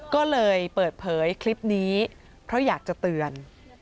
ก็เลยเปิดเผยคลิปนี้เพราะอยากจะเตือน